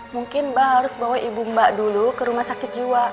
mungkin mbak harus bawa ibu mbak dulu ke rumah sakit jiwa